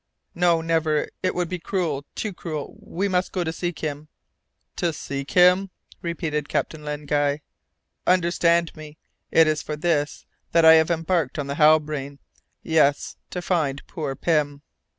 "No, never! It would be cruel too cruel. We must go to seek him." "To seek him?" repeated Captain Len Guy. "Understand me; it is for this that I have embarked on the Halbrane yes, to find poor Pym!"